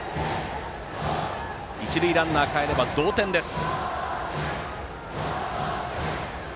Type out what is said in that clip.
一塁ランナーがかえれば同点です。